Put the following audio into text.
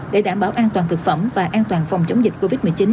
để đảm bảo an toàn thực phẩm và an toàn phòng chống dịch covid một mươi chín